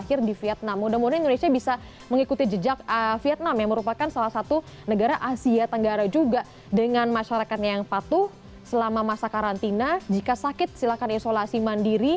kemudian saja kita bisa mengikuti jejak vietnam yang berhasil dengan karantina ya